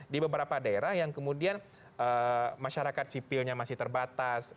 di beberapa daerah yang kemudian masyarakat sipilnya masih terbatas